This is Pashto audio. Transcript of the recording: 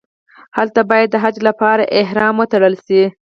هلته باید د حج لپاره احرام وتړل شي.